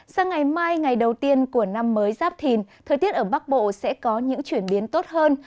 sang ngày mai ngày đầu tiên của năm mới giáp thìn thời tiết ở bắc bộ sẽ có những chuyển biến tốt hơn